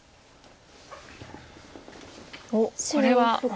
おっこれは。